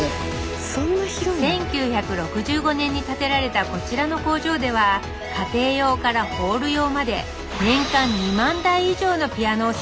１９６５年に建てられたこちらの工場では家庭用からホール用まで年間２万台以上のピアノを生産しています